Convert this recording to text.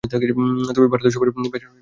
ভারত সফরে বেশ দূর্দান্ত খেলেন।